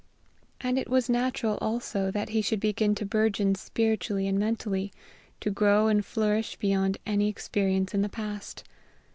And it was natural also that he should begin to burgeon spiritually and mentally, to grow and flourish beyond any experience in the past.